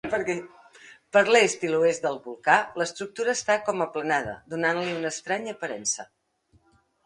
Per l'est i l'oest del volcà, l'estructura està com aplanada, donant-li una estranya aparença.